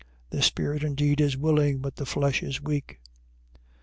The spirit indeed is willing, but the flesh is weak.